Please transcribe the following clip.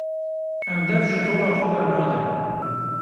Em dev ji tola xwe bernadin.